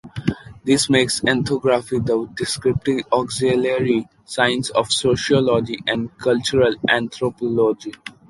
This makes ethnography the descriptive auxiliary science of sociology and cultural anthropology.